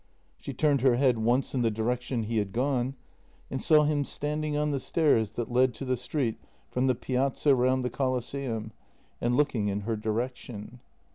She turned her head once in the direction he had gone and saw him standing on the stairs that led to the street from the Piazza round the Colosseum, and looking in her direction.